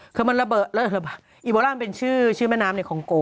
คือมันระเบิดอีโบรัมเป็นชื่อแม่น้ำในคองโก